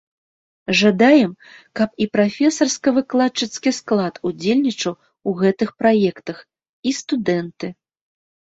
Жадаем, каб і прафесарска-выкладчыцкі склад удзельнічаў у гэтых праектах, і студэнты.